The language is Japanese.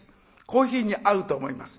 コーヒーに合うと思います。